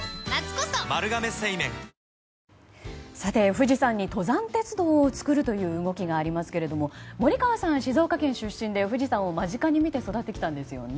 富士山に登山鉄道を作るという動きがありますけれども森川さんは静岡県出身で富士山を間近に見て育ってきたんですよね。